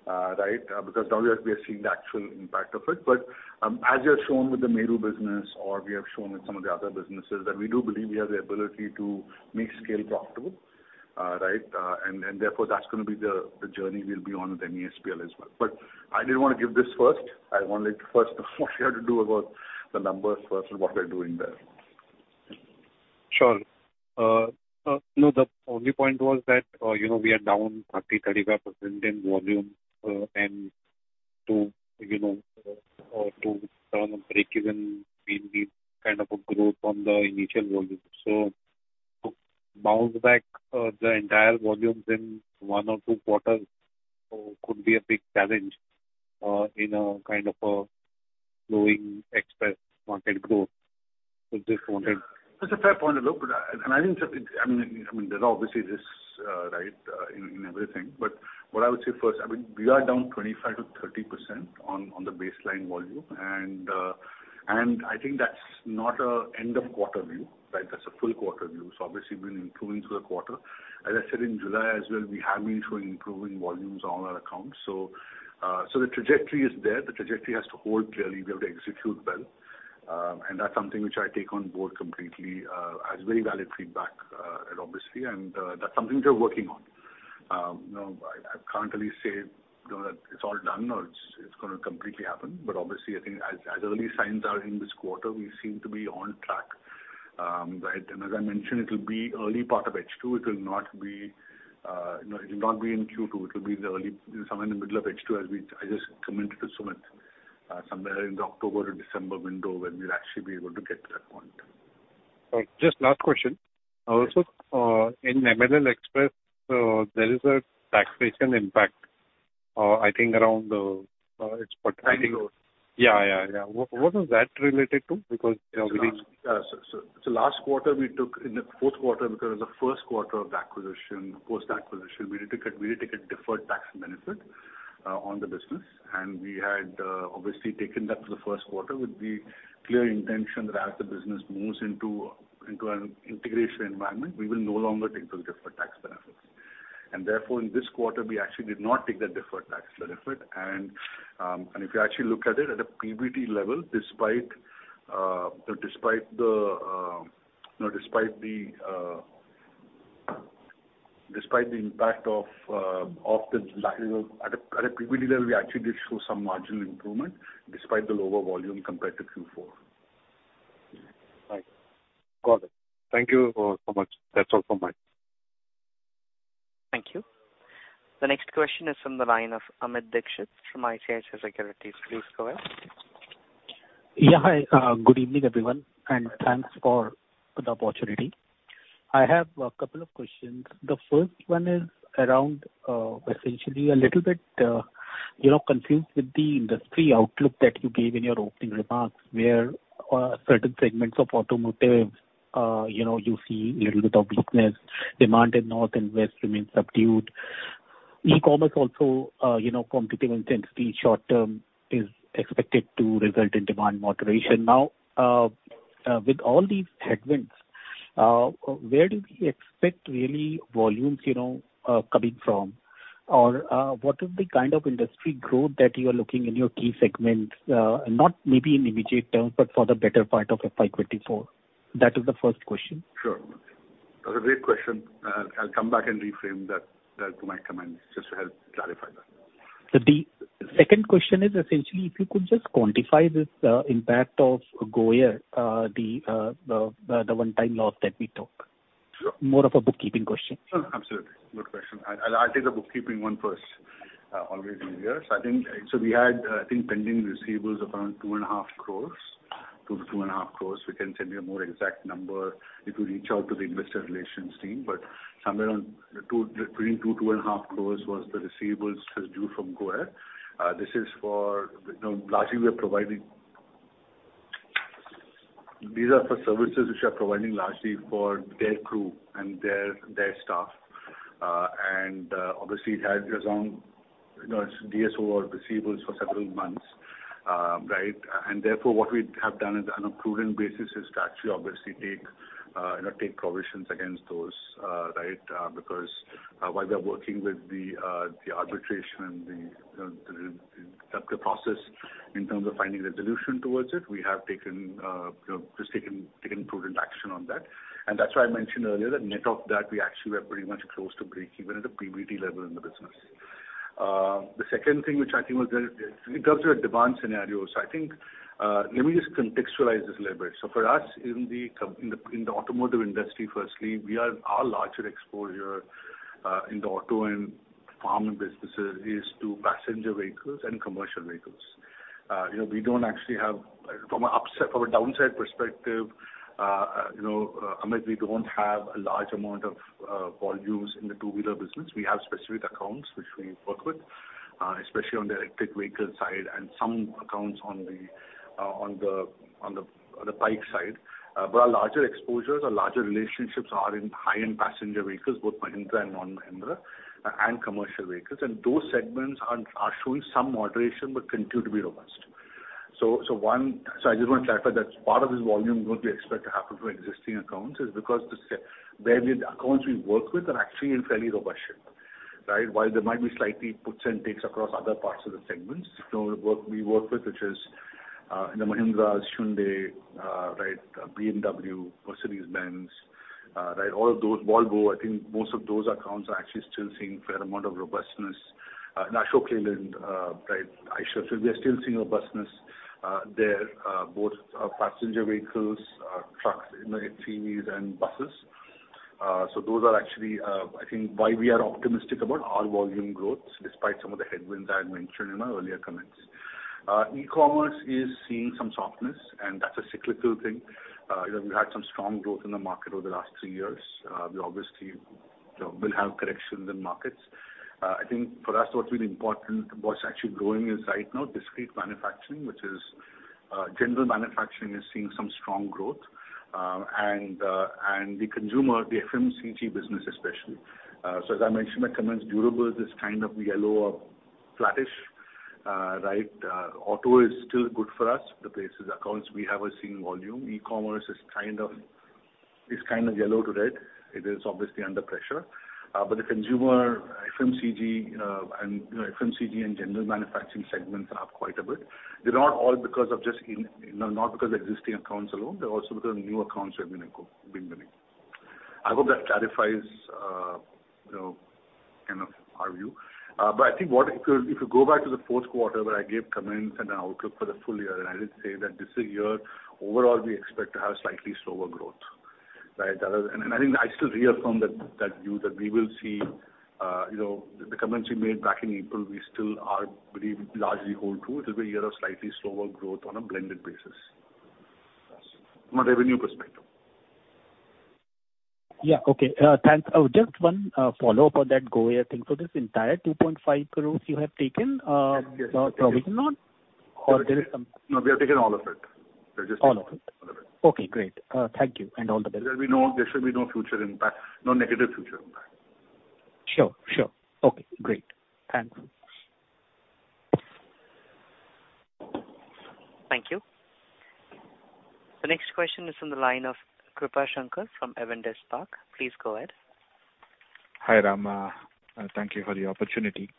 right? Because now we are seeing the actual impact of it. As you have shown with the Meru business, or we have shown with some of the other businesses, that we do believe we have the ability to make scale profitable, right? And therefore, that's gonna be the journey we'll be on with MESPL as well. I didn't want to give this first. I wanted to first, what we had to do about the numbers first and what we're doing there. Sure. no, the only point was that, you know, we are down 30-35% in volume. To, you know, to kind of break even, we need kind of a growth on the initial volume. bounce back, the entire volumes in one or two quarters, could be a big challenge, in a kind of a slowing express market growth with this content. That's a fair point Alok, I mean, there are obviously risks, right, in everything. What I would say first, I mean, we are down 25%-30% on the baseline volume, and I think that's not a end of quarter view, right? That's a full quarter view. Obviously, we've been improving through the quarter. As I said, in July as well, we have been showing improving volumes on all our accounts. The trajectory is there. The trajectory has to hold clearly, we have to execute well. That's something which I take on board completely, as very valid feedback, and obviously, that's something we are working on. you know, I can't really say, you know, that it's all done or it's gonna completely happen. Obviously, I think as early signs are in this quarter, we seem to be on track. As I mentioned, it'll be early part of H2, it will not be, you know, it will not be in Q2, it will be somewhere in the middle of H2, as I just committed to Sumit, somewhere in the October to December window when we'll actually be able to get to that point. Just last question. Also, in MLL Express, there is a taxation impact, I think around. I think- Yeah, yeah. What is that related to? Because, you know. Last quarter, we took in the fourth quarter, because it was the first quarter of the acquisition, post-acquisition, we had to take a deferred tax benefit on the business. We had obviously taken that for the first quarter with the clear intention that as the business moves into an integration environment, we will no longer take those deferred tax benefits. Therefore, in this quarter, we actually did not take that deferred tax benefit. If you actually look at it, at a PBT level, despite the, you know, despite the impact of the lack of. At a PBT level, we actually did show some marginal improvement despite the lower volume compared to Q4. Right. Got it. Thank you, so much. That's all for me. Thank you. The next question is from the line of Amit Dixit from ICICI Securities. Please go ahead. Yeah, hi. Good evening, everyone, thanks for the opportunity. I have two questions. The first one is around, essentially a little bit, you know, confused with the industry outlook that you gave in your opening remarks, where certain segments of automotive, you know, you see a little bit of weakness, demand in north and west remains subdued. E-commerce also, you know, competitive intensity short-term is expected to result in demand moderation. With all these headwinds, where do we expect really volumes, you know, coming from? What is the kind of industry growth that you are looking in your key segments? Not maybe in immediate terms, for the better part of FY 2024. That is the first question. Sure. That's a great question. I'll come back and reframe that to my comments, just to help clarify that. The second question is, essentially, if you could just quantify this impact of GoAir, the one-time loss that we took. Sure. More of a bookkeeping question. Sure, absolutely. Good question. I'll take the bookkeeping one first, always easier. We had pending receivables of around 2.5 crores, 2-2.5 crores. We can send you a more exact number if you reach out to the investor relations team. Somewhere between 2-2.5 crores was the receivables that are due from GoAir. This is for, you know, services which are providing largely for their crew and their staff. Obviously, it has around, you know, DSO or receivables for several months, right? Therefore, what we have done is on a prudent basis, is to actually obviously take, you know, take provisions against those, right? Because, while we are working with the arbitration and the process in terms of finding a resolution towards it, we have taken, you know, just taken prudent action on that. That's why I mentioned earlier, that net of that, we actually were pretty much close to breakeven at the PBT level in the business. The second thing, which I think was, in terms of the demand scenario, I think, let me just contextualize this a little bit. For us, in the automotive industry, firstly, we are, our larger exposure, in the auto and farm businesses is to passenger vehicles and commercial vehicles. You know, we don't actually have, from a downside perspective, you know, Amit, we don't have a large amount of volumes in the two-wheeler business. We have specific accounts which we work with, especially on the electric vehicle side and some accounts on the bike side. Our larger exposures or larger relationships are in high-end passenger vehicles, both Mahindra and non-Mahindra, and commercial vehicles. Those segments are showing some moderation, but continue to be robust. I just want to clarify that part of this volume, what we expect to happen to existing accounts, is because the accounts we work with are actually fairly robust, right? While there might be slightly puts and takes across other parts of the segments, you know, we work with, which is, in the Mahindra's, Hyundai, right, BMW, Mercedes-Benz, right. All of those, Volvo, I think most of those accounts are actually still seeing a fair amount of robustness. Ashok Leyland, right, I should say. We are still seeing robustness there, both passenger vehicles, trucks, you know, EVs and buses. Those are actually, I think, why we are optimistic about our volume growth, despite some of the headwinds I had mentioned in my earlier comments. E-commerce is seeing some softness, and that's a cyclical thing. You know, we had some strong growth in the market over the last 3 years. We obviously, you know, will have corrections in markets. I think for us, what's really important, what's actually growing is right now, discrete manufacturing, which is general manufacturing is seeing some strong growth, and the consumer, the FMCG business especially. As I mentioned, the comments, durables is kind of yellow or flattish, right? Auto is still good for us. The places, accounts we have are seeing volume. E-commerce is kind of yellow to red. It is obviously under pressure. The consumer, FMCG, and, you know, FMCG and general manufacturing segments are up quite a bit. They're not all because of not because of existing accounts alone, they're also because of new accounts we've been winning. I hope that clarifies, you know, kind of our view. I think if you go back to the fourth quarter, where I gave comments and an outlook for the full year, I did say that this year, overall, we expect to have slightly slower growth, right? Other than... I think I still reaffirm that view, that we will see, you know, the comments we made back in April, we still are pretty largely hold true. It'll be a year of slightly slower growth on a blended basis from a revenue perspective. Yeah. Okay, thanks. Just one follow-up on that GoAir thing. This entire 2.5 crores you have taken? Yes. Provisional or there is. No, we have taken all of it. All of it? All of it. Okay, great. Thank you and all the best. There should be no future impact, no negative future impact. Sure. Okay, great. Thank you. Thank you. The next question is from the line of Krupashankar from Avendus Spark. Please go ahead. Hi, Ram. Thank you for the opportunity.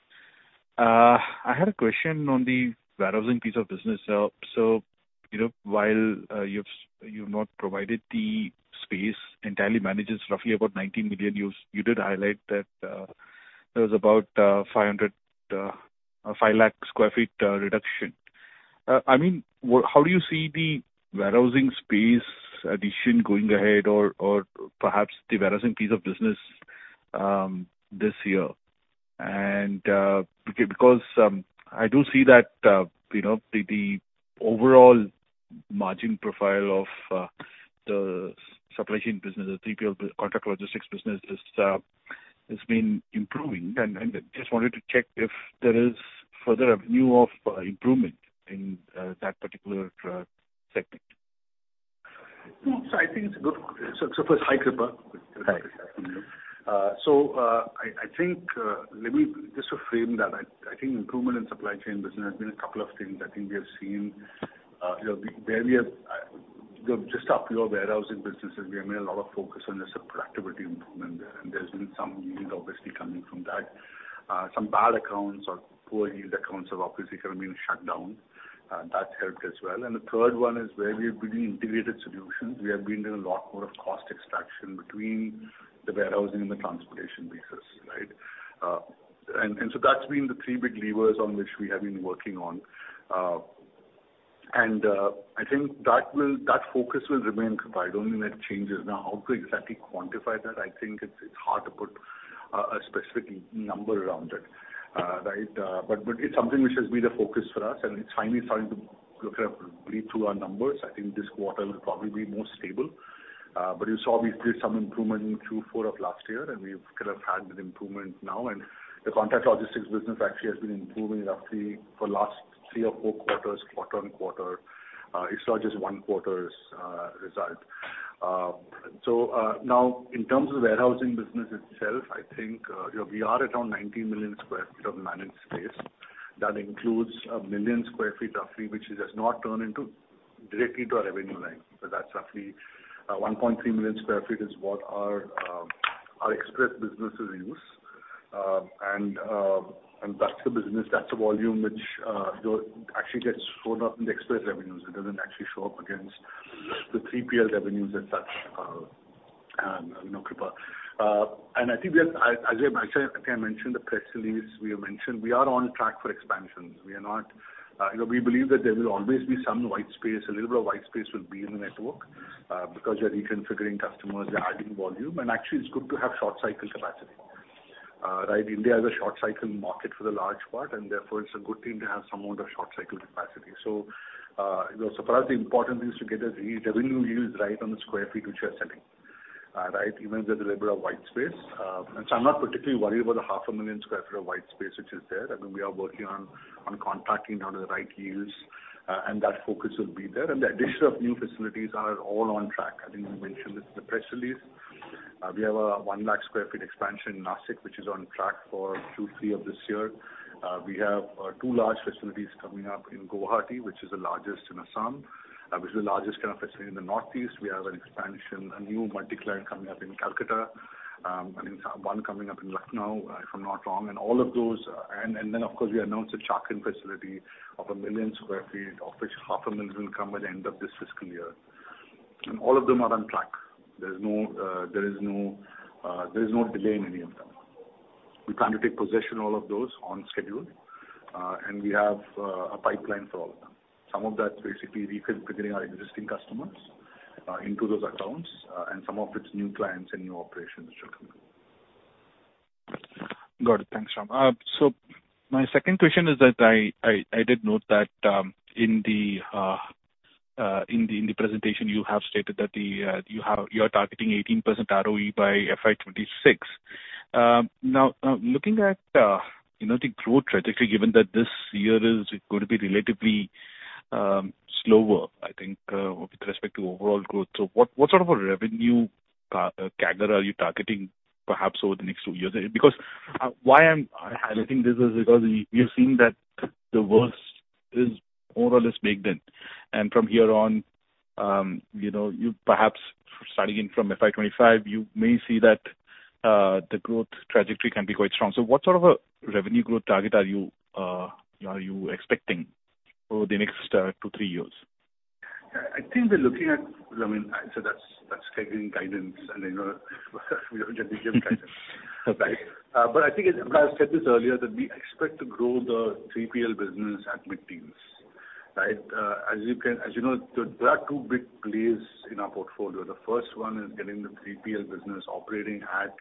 I had a question on the warehousing piece of business. You know, while you've not provided the space entirely manages roughly about 19 million, you did highlight that there was about 5 lakh sq ft reduction. How do you see the warehousing space addition going ahead or perhaps the warehousing piece of business this year? I do see that, you know, the overall margin profile of the supply chain business, the 3PL contract logistics business has been improving. I just wanted to check if there is further avenue of improvement in that particular segment. I think it's good. First, hi, Kripa. Hi. I think, let me just to frame that, I think improvement in supply chain business has been a couple of things. I think we have seen, you know, there we are, just our pure warehousing businesses, we have made a lot of focus on the productivity improvement there, and there's been some yield obviously coming from that. Some bad accounts or poor yield accounts have obviously kind of been shut down, that's helped as well. The third one is where we've built integrated solutions. We have been doing a lot more of cost extraction between the warehousing and the transportation business, right? That's been the three big levers on which we have been working on. I think that will, that focus will remain provided, I don't think that changes. Now, how to exactly quantify that? I think it's hard to put a specific number around it, right? But it's something which has been a focus for us, and it's finally starting to kind of bleed through our numbers. I think this quarter will probably be more stable. But you saw we did some improvement in Q4 of last year, and we've kind of had an improvement now. The contract logistics business actually has been improving roughly for last three or four quarters, quarter-on-quarter. It's not just one quarter's result. Now, in terms of the warehousing business itself, I think, you know, we are around 19 million sq ft of managed space. That includes 1 million sq ft, roughly, which has not turned into directly into our revenue line. That's roughly 1.3 million sq ft is what our express business is in use. That's the business, that's the volume which, you know, actually gets shown up in the express revenues. It doesn't actually show up against the 3PL revenues as such, you know, Kripa. I think we are, as I think I mentioned, the press release we have mentioned, we are on track for expansions. We are not. You know, we believe that there will always be some white space, a little bit of white space will be in the network, because we are reconfiguring customers, they're adding volume, and actually, it's good to have short cycle capacity. Right, India is a short cycle market for the large part, it's a good thing to have some amount of short cycle capacity. You know, for us, the important thing is to get the revenue yields right on the square feet which we are selling, right, even if there's a little bit of white space. I'm not particularly worried about the half a million square foot of white space, which is there. I mean, we are working on contracting down to the right yields, that focus will be there. The addition of new facilities are all on track. I think we mentioned this in the press release. We have a 1 lakh square feet expansion in Nashik, which is on track for Q3 of this year. We have two large facilities coming up in Guwahati, which is the largest in Assam, which is the largest kind of facility in the Northeast. We have an expansion, a new multi-client coming up in Kolkata, and one coming up in Lucknow, if I'm not wrong. All of those. Then, of course, we announced a Chakan facility of 1 million sq ft, of which half a million will come by the end of this fiscal year. All of them are on track. There's no, there is no, there is no delay in any of them. We plan to take possession all of those on schedule, and we have a pipeline for all of them. Some of that's basically reconfiguring our existing customers, into those accounts, and some of it's new clients and new operations which are coming. Got it. Thanks, Ram. My second question is that I did note that in the presentation, you have stated that you are targeting 18% ROE by FY 2026. Now, looking at, you know, the growth trajectory, given that this year is going to be relatively slower, I think, with respect to overall growth. What sort of a revenue CAGR are you targeting perhaps over the next 2 years? Because why I'm highlighting this is because we've seen that the worst is more or less baked in. From here on, you know, you perhaps starting in from FY 2025, you may see that the growth trajectory can be quite strong. What sort of a revenue growth target are you expecting over the next 2, 3 years? I think we're looking at... I mean, so that's giving guidance, and, you know, we don't generally give guidance. Okay. this earlier, that we expect to grow the 3PL business at mid-teens, right? As you know, there are two big plays in our portfolio. The first one is getting the 3PL business operating at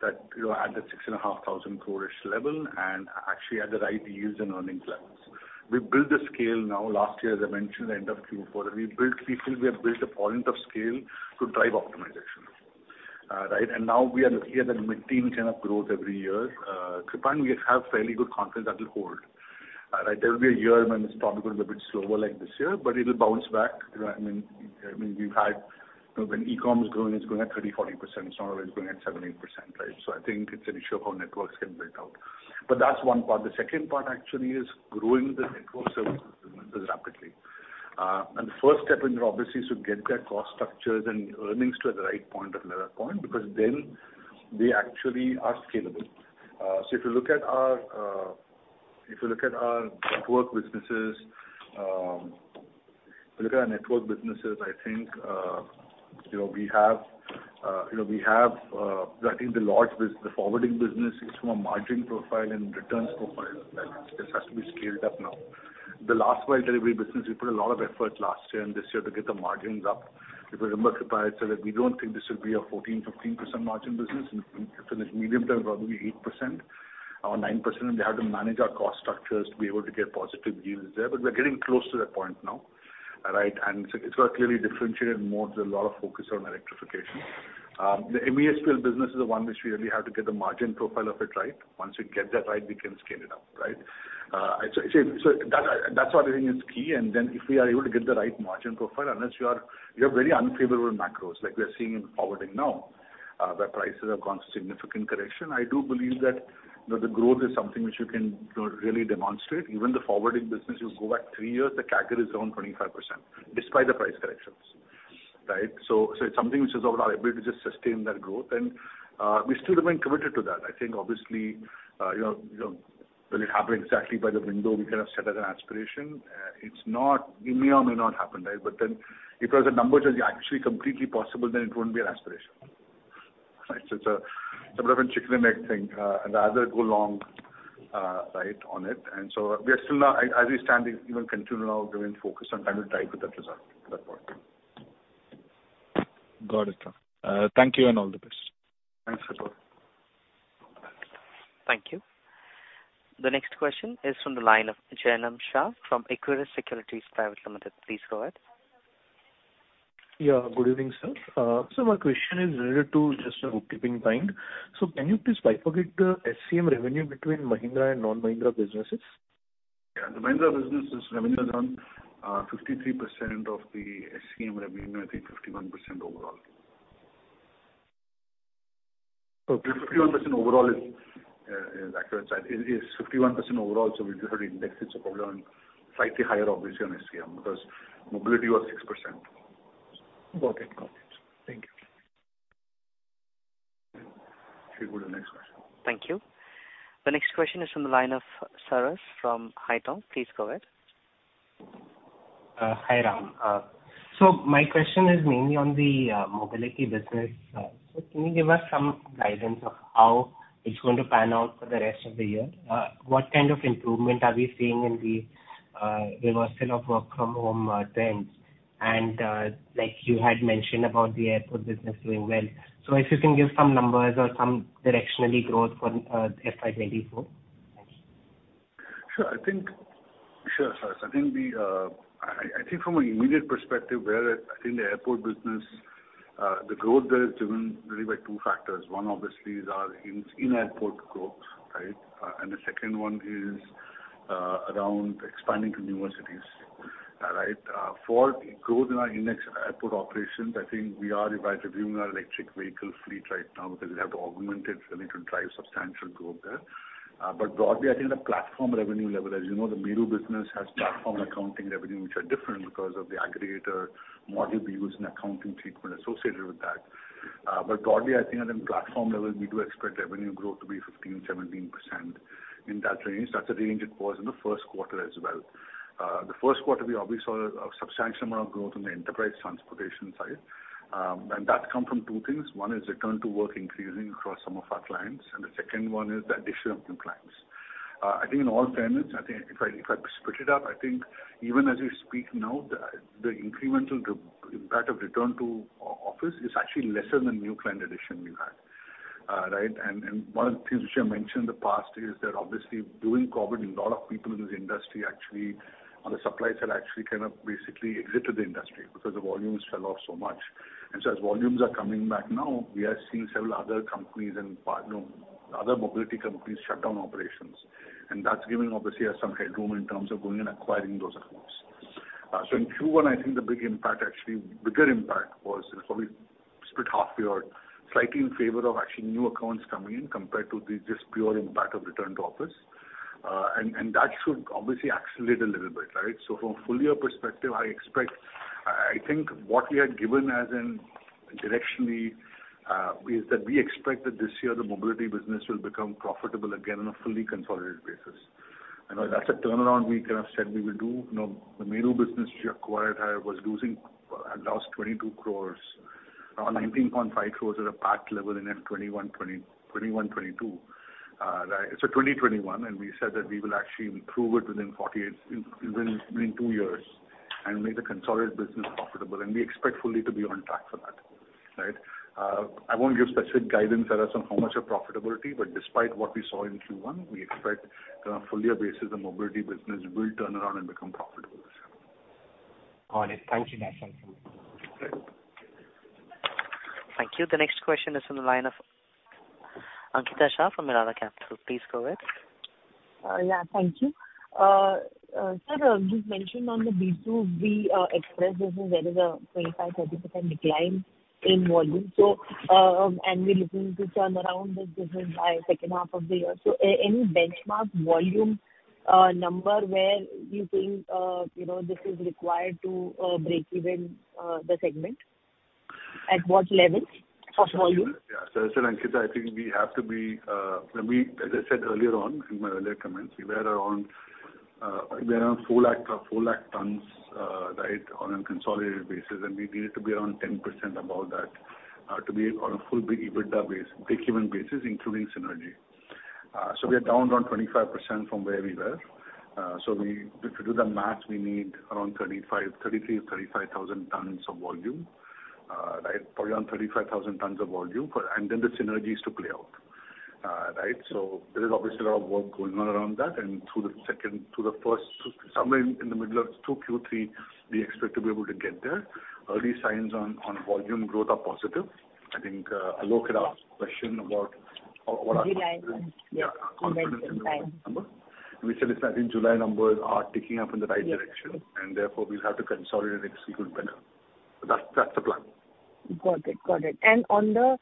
that, you know, at the 6,500 crore-ish level, and actually at the right yields and earnings levels. We built the scale now. Last year, as I mentioned, end of Q4, we built 3PL, we have built a point of scale to drive optimization. Right. And now we are looking at the mid-teen kind of growth every year. Kripal, we have fairly good confidence that will hold. Right. There will be a year when it's probably going to be a bit slower, like this year, but it will bounce back. I mean, we've had... When e-com is growing, it's growing at 30%, 40%. It's not always growing at 17%, right? I think it's an issue of how networks get built out. That's one part. The second part actually is growing the network services rapidly. The first step in there, obviously, is to get their cost structures and earnings to the right point of lever point, because then they actually are scalable. If you look at our network businesses, I think, you know, we have, you know, we have, I think the large the forwarding business is from a margin profile and returns profile, right? This has to be scaled up now. The last mile delivery business, we put a lot of effort last year and this year to get the margins up. If you remember, Kripal, I said that we don't think this will be a 14%-15% margin business. In the medium term, it will probably be 8% or 9%, and we have to manage our cost structures to be able to get positive yields there. We're getting close to that point now, right? It's got clearly differentiated modes, a lot of focus on electrification. The MESPL business is the one which we really have to get the margin profile of it right. Once we get that right, we can scale it up, right? That's what I think is key. If we are able to get the right margin profile, unless you are, you have very unfavorable macros, like we are seeing in forwarding now, where prices have gone significant correction. I do believe that, you know, the growth is something which you can, you know, really demonstrate. Even the forwarding business, you go back 3 years, the CAGR is around 25%, despite the price corrections, right? It's something which is over our ability to sustain that growth, and we still remain committed to that. I think, obviously, you know, you know, will it happen exactly by the window we kind of set as an aspiration? It may or may not happen, right? If it was a number which is actually completely possible, then it wouldn't be an aspiration, right? It's a, sort of a chicken and egg thing, and rather go long, right, on it. We are still now, as we stand, even continue now, giving focus on trying to drive with that result, that point. Got it. Thank you and all the best. Thanks as well. Thank you. The next question is from the line of Jainam Shah from Equirus Securities Private Limited. Please go ahead. Yeah, good evening, sir. My question is related to just a bookkeeping time. Can you please bifurcate the SCM revenue between Mahindra and non-Mahindra businesses? Yeah, the Mahindra business' revenue is around 53% of the SCM revenue, I think 51% overall. 51% overall is accurate. It is 51% overall, so we do have an index. It's probably on slightly higher, obviously, on SCM, because mobility was 6%. Got it. Got it. Thank you. We'll go to the next question. Thank you. The next question is from the line of Saras from Haitong. Please go ahead. Hi, Ram. My question is mainly on the mobility business. Can you give us some guidance of how it's going to pan out for the rest of the year? What kind of improvement are we seeing in the reversal of work from home trends? Like you had mentioned about the airport business doing well. If you can give some numbers or some directionally growth for FY 2024? Sure. Sure, Saras. I think the, I think from an immediate perspective, where I think the airport business, the growth there is driven really by two factors. One, obviously, is our in-airport growth, right? The second one is around expanding to new cities, right? For growth in our index airport operations, I think we are reviewing our electric vehicle fleet right now because we have to augment it for me to drive substantial growth there. Broadly, I think the platform revenue level, as you know, the Meru business has platform accounting revenue, which are different because of the aggregator model we use and accounting treatment associated with that. Broadly, I think at the platform level, we do expect revenue growth to be 15%-17% in that range. That's the range it was in the first quarter as well. The first quarter, we obviously saw a substantial amount of growth in the enterprise transportation side. That come from two things. One is return to work increasing across some of our clients, and the second one is the addition of new clients. I think in all tenants, I think if I split it up, I think even as we speak now, the incremental impact of return to office is actually lesser than new client addition we've had, right? One of the things which I mentioned in the past is that obviously, during COVID, a lot of people in this industry, actually, on the supply side, actually kind of basically exited the industry because the volumes fell off so much. As volumes are coming back now, we are seeing several other companies and other mobility companies shut down operations, and that's giving obviously us some headroom in terms of going and acquiring those accounts. In Q1, I think the big impact, actually bigger impact was probably split halfway or slightly in favor of actually new accounts coming in compared to the just pure impact of return to office. That should obviously accelerate a little bit, right? From a full year perspective, I think what we had given as in directionally is that we expect that this year, the mobility business will become profitable again on a fully consolidated basis. That's a turnaround we kind of said we will do. You know, the Meru business we acquired, was losing, it lost 22 crores, or 19.5 crores at a PAT level in FY 2021, 2022. Right, 2021, we said that we will actually improve it within 2 years, and make the consolidated business profitable. We expect fully to be on track for that, right? I won't give specific guidance as on how much of profitability, despite what we saw in Q1, we expect kind of full year basis, the mobility business will turn around and become profitable this year. Got it. Thank you, Ram. Great. Thank you. The next question is from the line of Ankita Shah from Elara Capital. Please go ahead. Yeah, thank you. sir, you've mentioned on the B2B express business, there is a 25%-30% decline in volume. And we're looking to turn around this business by second half of the year. Any benchmark volume number where you think, you know, this is required to break even the segment? At what level of volume? Yeah. Ankita, I think we have to be, as I said earlier on in my earlier comments, we were around 4 lakh tonnes, right, on a consolidated basis, and we needed to be around 10% above that to be on a full EBITDA base, breakeven basis, including synergy. We are down around 25% from where we were. We, if you do the math, we need around 35, 33, 35,000 tonnes of volume, right? Probably around 35,000 tonnes of volume, for, and then the synergies to play out. Right? There is obviously a lot of work going on around that and through the first, somewhere in the middle of two, Q3, we expect to be able to get there. Early signs on volume growth are positive. I think, Alok had asked a question about. Derive, yes. Yeah, confidence in the number. We said, I think July numbers are ticking up in the right direction. Yes. Therefore we'll have to consolidate and execute better. That's the plan. On the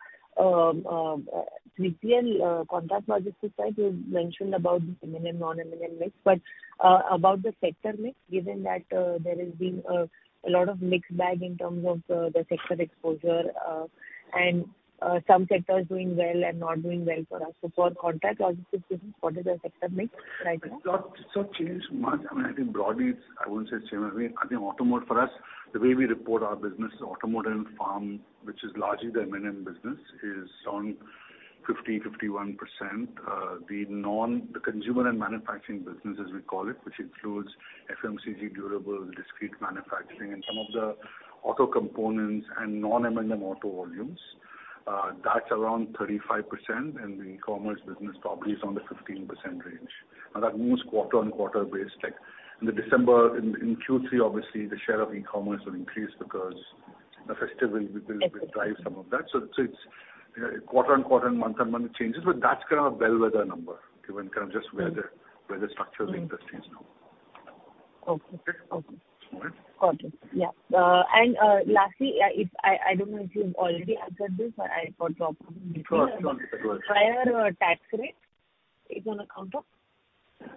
3PL, contract logistics side, you mentioned about the M&M, non-M&M mix, but about the sector mix, given that there has been a lot of mixed bag in terms of the sector exposure, and some sectors doing well and not doing well for us. For contract logistics, what is the sector mix right now? It's not so changed much. I mean, I think broadly, it's, I wouldn't say the same way. I think automotive for us, the way we report our business, automotive and farm, which is largely the M&M business, is around 50%-51%. The consumer and manufacturing business, as we call it, which includes FMCG, durable, discrete manufacturing, and some of the auto components and non-M&M auto volumes, that's around 35%, and the e-commerce business probably is on the 15% range. Now, that moves quarter-on-quarter basis. Like, in the December, in Q3, obviously, the share of e-commerce will increase because the festive will drive some of that. It's quarter-on-quarter and month-on-month changes, but that's kind of a bellwether number, given kind of just where the- Mm. where the structure of the industry is now. Okay. Okay? Okay. All right. Got it. Yeah. Lastly, if I don't know if you've already answered this, but I got the opportunity. Sure, go ahead. Higher, tax rate is on account of?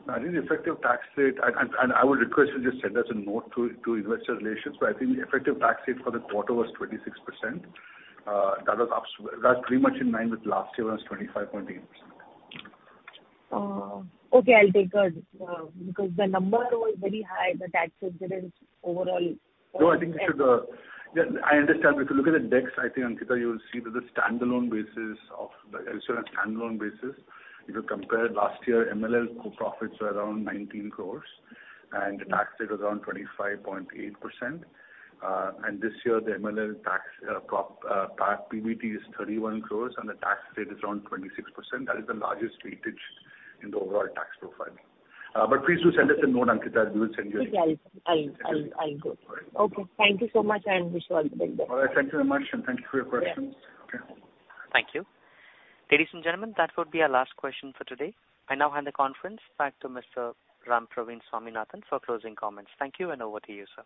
I think the effective tax rate, and I would request you just send us a note to investor relations, but I think the effective tax rate for the quarter was 26%. That's pretty much in line with last year, was 25.8%. Okay, because the number was very high, the tax difference overall. I think we should. Yeah, I understand. If you look at the decks, I think, Ankita, you'll see that the sort of standalone basis, if you compare last year, MLL profits were around 19 crores, and the tax rate was around 25.8%. This year, the MLL tax PAT PBT is 31 crores, and the tax rate is around 26%. That is the largest weightage in the overall tax profile. Please do send us a note, Ankita, we will send you. Yeah, I'll go through. All right. Okay. Thank you so much, and wish you all the best. All right. Thank you very much, and thank you for your questions. Yeah. Okay. Thank you. Ladies and gentlemen, that would be our last question for today. I now hand the conference back to Mr. Rampraveen Swaminathan for closing comments. Thank you. Over to you, sir.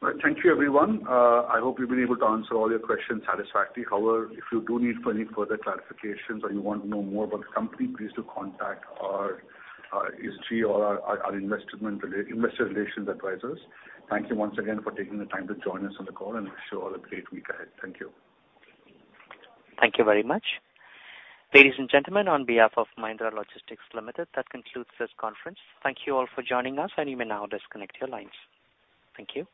Thank you, everyone. I hope we've been able to answer all your questions satisfactorily. However, if you do need for any further clarifications or you want to know more about the company, please do contact our ESG or our investment, investor relations advisors. Thank you once again for taking the time to join us on the call, and I wish you all a great week ahead. Thank you. Thank you very much. Ladies and gentlemen, on behalf of Mahindra Logistics Limited, that concludes this conference. Thank you all for joining us, and you may now disconnect your lines. Thank you.